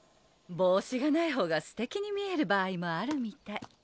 帽子がない方がすてきに見える場合もあるみたい。